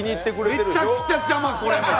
めちゃくちゃ邪魔！